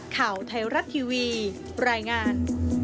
ข่าวไทยรัฐทีวีรายงาน